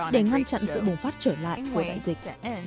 để ngăn chặn sự bùng phát trở lại của đại dịch